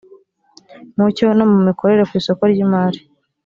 mucyo no mu mikorere ku isoko ry imari